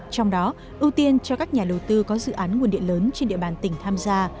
trong đó ưu tiên cho các nhà đầu tư có dự án nguồn điện lớn trên địa bàn tỉnh tham gia